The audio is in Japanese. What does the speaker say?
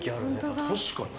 確かにな。